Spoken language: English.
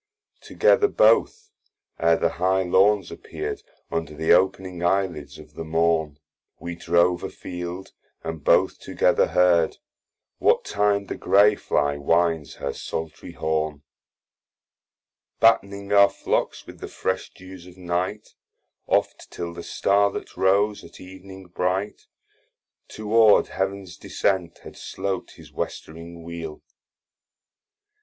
Together both, ere the high Lawns appear'd Under the opening eye lids of the morn, We drove a field, and both together heard What time the Gray fly winds her sultry horn, Batt'ning our flocks with the fresh dews of night, Oft till the Star that rose, at Ev'ning bright Toward Heav'ns descent had slop'd his westering wheel.